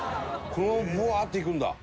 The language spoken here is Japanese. このままブワーッていくんだ。